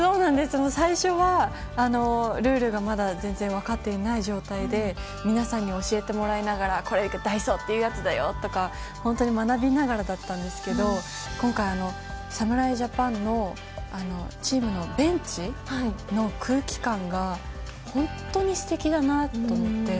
最初はルールがまだ全然分かっていない状態で皆さんに教えてもらいながらこれが代走っていうやつだよとかいろいろ学びながらだったんですけど今回、侍ジャパンチームのベンチの空気感が本当に素敵だなと思って。